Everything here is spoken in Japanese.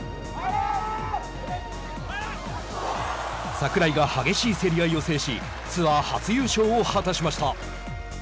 櫻井が激しい競り合いを制しツアー初優勝を果たしました。